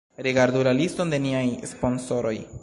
Rigardu la liston de niaj sponsoroj